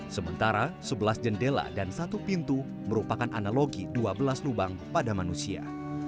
sementara sebelas jendela dan satu pintu merupakan analogi dua belas lubang pada manusia